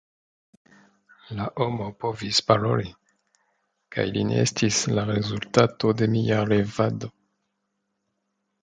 La homo povis paroli, kaj li ne estis la rezultato de mia revado.